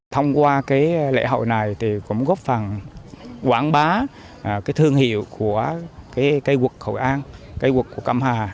thông qua lễ hội này cũng góp phần quảng bá thương hiệu của cây quật hội an cây quật cầm hà